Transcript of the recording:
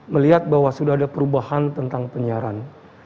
melihat bahwa sudah ada perubahan tentang penyiaran